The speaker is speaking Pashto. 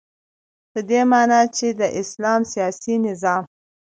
په دی معنا چی د اسلام سیاسی نظام